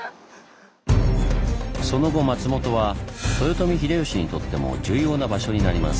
その後松本は豊臣秀吉にとっても重要な場所になります。